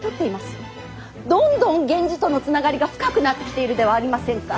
どんどん源氏との繋がりが深くなってきているではありませんか！